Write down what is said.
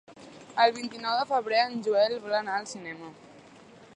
El vint-i-nou de febrer en Joel vol anar al cinema.